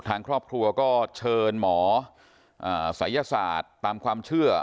ทางครอบครัวก็เชิญหมอศัยศาสตร์ตามความเชื่อ